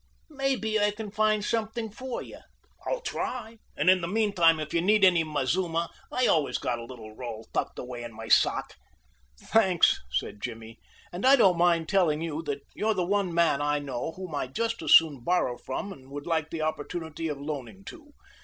"Maybe I can find something for you. I'll try, and in the mean time if you need any mazuma I always got a little roll tucked away in my sock." "Thanks," said Jimmy, "and I don't mind telling you that you're the one man I know whom I'd just as soon borrow from and would like the opportunity of loaning to.